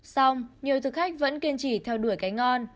xong nhiều thực khách vẫn kiên trì theo đuổi cái ngon